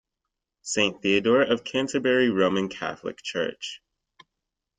St. Theodore of Canterbury Roman Catholic Church.